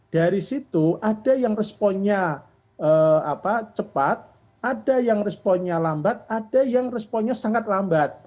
dari situ ada yang responnya cepat ada yang responnya lambat ada yang responnya sangat lambat